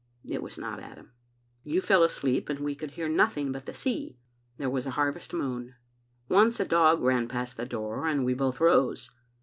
It was not Adam. You fell asleep, and we could hear nothing but the sea. There was a harvest moon. "Once a dog ran past the door, and we both rose.